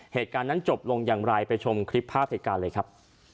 เหตุการณ์นั้นจบลงอย่างไรไปชมคลิปภาพเหตุการณ์เลยครับ